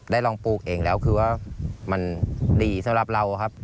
ลองปลูกเองแล้วคือว่ามันดีสำหรับเราครับ